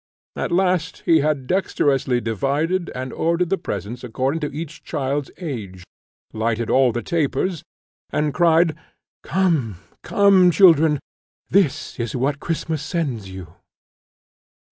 At last he had dexterously divided, and ordered the presents according to each child's age, lighted all the tapers, and cried, "Come, come, children! this is what Christmas sends you."